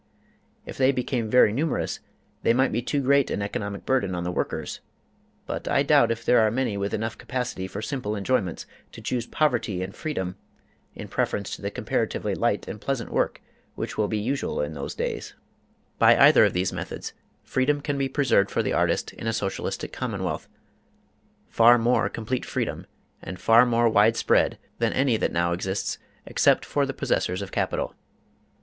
If they became very numerous, they might be too great an economic burden on the workers; but I doubt if there are many with enough capacity for simple enjoyments to choose poverty and free dom in preference to the comparatively light and pleasant work which will be usual in those days. Which we discussed in Chapter IV. By either of these methods, freedom can be preserved for the artist in a socialistic commonwealth far more complete freedom, and far more widespread, than any that now exists except for the possessors of capital.